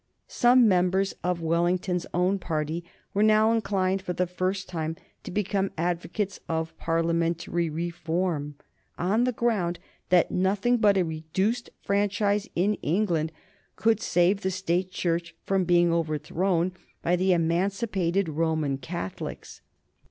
Some members of Wellington's own party were now inclined for the first time to become advocates of Parliamentary reform, on the ground that nothing but a reduced franchise in England could save the State Church from being overthrown by the emancipated Roman Catholics.